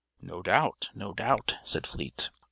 "No doubt, no doubt," said Fleet.